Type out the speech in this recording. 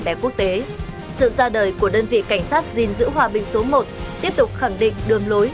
bè quốc tế sự ra đời của đơn vị cảnh sát gìn giữ hòa bình số một tiếp tục khẳng định đường lối